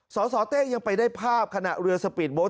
สสเต้ยังไปได้ภาพขณะเรือสปีดโท